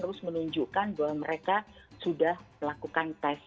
terus menunjukkan bahwa mereka sudah melakukan tes